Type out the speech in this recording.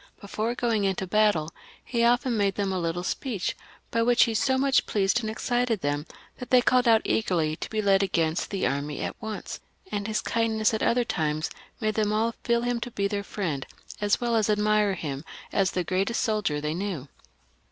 Be iore going into battle he often made them a little speech, by which he so much pleased and excited them, that they Lj DIRECTORY AND CONSULATE. 425 called out eagerly to be led against the enemy at once ; and his kindness at other times made them all feel him to be their friend, as weU as admir^ him as the greatest soldier they knew.